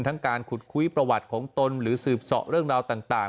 การขุดคุยประวัติของตนหรือสืบเสาะเรื่องราวต่าง